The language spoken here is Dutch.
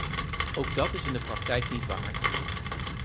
Ook dat is in de praktijk niet waar.